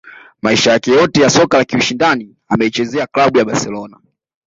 Maisha yake yote ya soka la kiushindani ameichezea klabu ya Barcelona